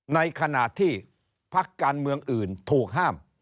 ในขณะที่พักการเมืองอื่นถูกห้าม